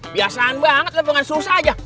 biasaan banget lu bukan susah aja